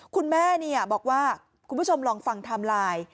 คุณแม่บอกว่าคุณผู้ชมลองฟังไทม์ไลน์